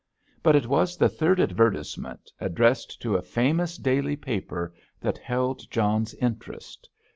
But it was the third advertisement, addressed to a famous daily paper, that held John's interest.